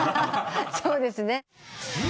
そうですね。